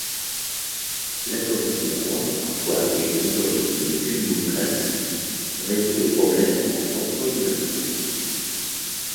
L'algorithme hongrois, parfois appelé algorithme de Kuhn-Munkres, résout le problème en temps polynomial.